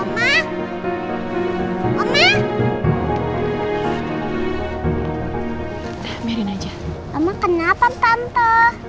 mama kenapa tanpa